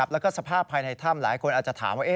แล้วก็สภาพภายในถ้ำหลายคนอาจจะถามว่า